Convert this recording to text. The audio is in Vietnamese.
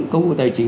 công cụ tài chính